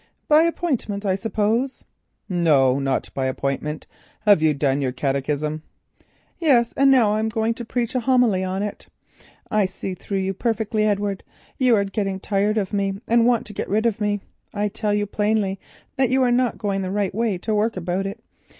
"By appointment, I suppose." "No, not by appointment. Have you done your catechism?" "Yes—and now I am going to preach a homily on it. I see through you perfectly, Edward. You are getting tired of me, and you want to be rid of me. I tell you plainly that you are not going the right way to work about it.